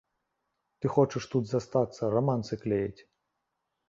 Ты хочаш тут застацца, рамансы клеіць.